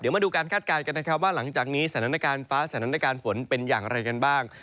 มาดูการคาดการณ์กันนะครับว่าหลังจากนี้สถานการณ์ฟ้าสถานการณ์ฝนเป็นอย่างไรกันบ้าง